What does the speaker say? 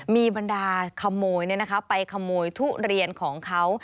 มีบรรดาขโมยไปขโมยทุเรียนของเขา